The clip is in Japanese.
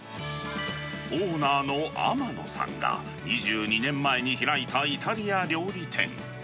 オーナーの天野さんが、２２年前に開いたイタリア料理店。